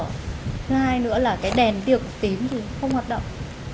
thứ hai nữa là đèn tiêu cực tím không hoạt động